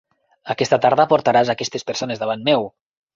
Aquesta tarda portaràs aquestes persones davant meu.